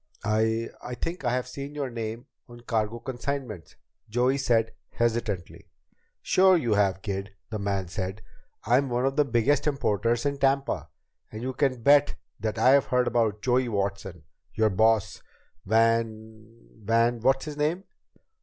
"I I think I have seen your name on cargo consignments," Joey said hesitantly. "Sure you have, kid," the man said. "I'm one of the biggest importers in Tampa. And you can bet that I've heard about Joey Watson. Your boss, Van Van What's his name